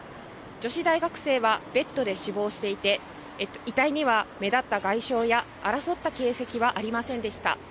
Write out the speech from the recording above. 女子大生はベッドで死亡していて、遺体には目立った外傷や争った形跡はありませんでした。